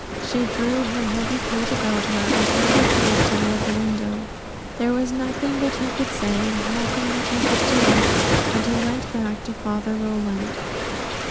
She drew her heavy coat about her and turned her face toward the window. There was nothing that he could say, nothing that he could do, and he went back to Father Roland.